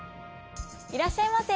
いらっしゃいませ！